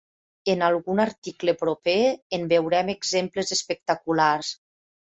En algun article proper en veurem exemples espectaculars.